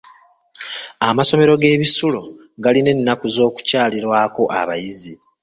Amasomero g'ebisulo galina ennaku z'okukyalirako abayizi.